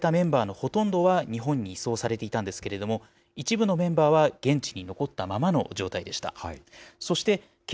拘束されたメンバーのほとんどは日本に移送されていたんですけれども、一部のメンバーは現地に残ったままの状態でした。